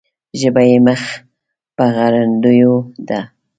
ژبه یې مخ پر غړندېدو ده.